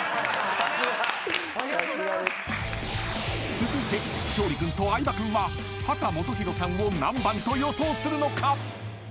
［続いて勝利君と相葉君は秦基博さんを何番と予想するのか？］